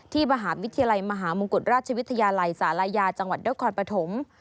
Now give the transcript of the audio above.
ที่มหาวิทยาลัยมหาวมงกฎราชวิทยาลัยสาลายาจังหวัดด้วยคอนปฐม